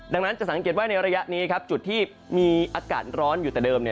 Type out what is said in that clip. ดังนั้นจะสังเกตว่าในระยะนี้ครับจุดที่มีอากาศร้อนอยู่แต่เดิม